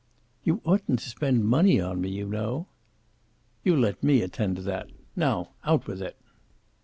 "You oughtn't to spend money on me, you know." "You let me attend to that. Now, out with it!"